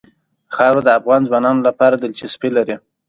خاوره د افغان ځوانانو لپاره دلچسپي لري.